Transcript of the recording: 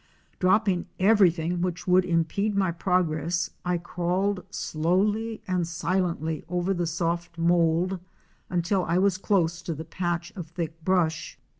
Dropping everything which would impede my progress, I crawled slowly and silently over the soft mould until I was close to the patch of thick brush.